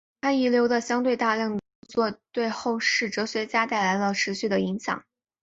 他遗留的相对大量的着作对后世哲学家带来了持续的影响。